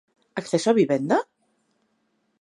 ¿Acceso á vivenda?